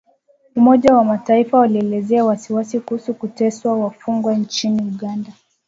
Umoja wa mataifa waelezea wasiwasi kuhusu kuteswa wafungwa nchini Uganda